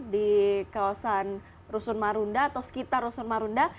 di kawasan rusun marunda atau sekitar rusun marunda